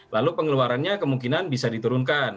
lalu pengeluarannya kemungkinan bisa diturunkan